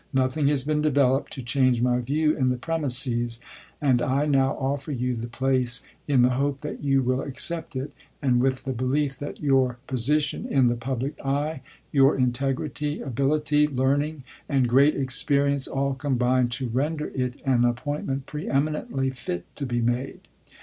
Nothing has been developed to change my view in the premises ; and I now offer you the place in the hope that you will accept it, and with the be lief that your position in the public eye, your integrity, ability, learning, and great experience all combine to render it an appointment preeminently fit to be made.